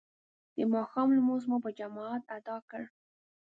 د ماښام لمونځ مو په جماعت ادا کړ.